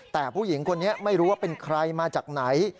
แต่ผู้หญิงคนนี้ไม่รู้ว่าเป็นใครมาจากไหน